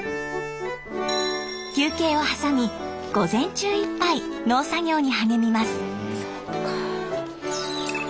休憩を挟み午前中いっぱい農作業に励みます。